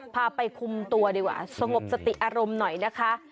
พาไปคุมตัวดีกว่าสงบสติอารมณ์หน่อยนะคะ